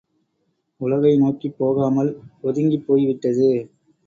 உலகை நோக்கிப் போகாமல் ஒதுங்கிப் போய்விட்டது.